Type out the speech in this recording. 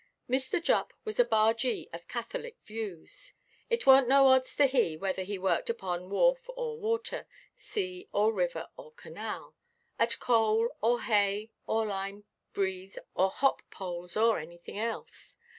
Mr. Jupp was a bargee of Catholic views; "it warnʼt no odds to he" whether he worked upon wharf or water, sea or river or canal, at coal, or hay, or lime, breeze, or hop–poles, or anything else.